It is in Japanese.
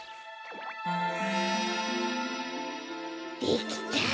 できた！